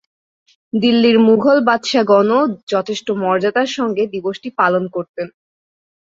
দিল্লির মুগল বাদশাহগণও যথেষ্ট মর্যাদার সঙ্গে দিবসটি পালন করতেন।